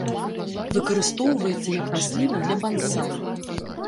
Выкарыстоўваецца як расліна для бансай.